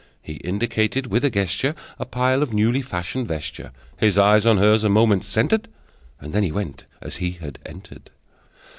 He indicated with a gesture The pile of newly fashioned vesture: His eyes on hers a moment centered, And then he went, as he had entered.